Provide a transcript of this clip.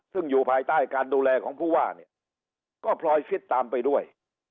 ซึ่งอยู่ภายใต้การดูแลของผู้ว่าเนี่ยก็พลอยฟิตตามไปด้วย